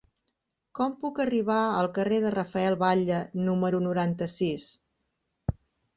Com puc arribar al carrer de Rafael Batlle número noranta-sis?